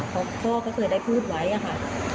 เพราะพ่อก็เคยได้พูดไว้อะค่ะ